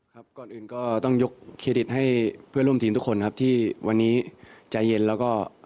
ก่อนอื่นก็ต้องยกเครดิตให้เพื่อนร่วมทีมทุกคนครับที่วันนี้ใจเย็นแล้วก็